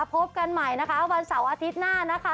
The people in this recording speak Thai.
พบกันใหม่นะคะวันเสาร์อาทิตย์หน้านะคะ